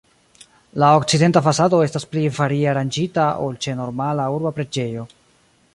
La okcidenta fasado estas pli varie aranĝita ol ĉe normala urba preĝejo.